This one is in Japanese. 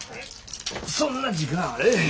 そんな時間あれへん。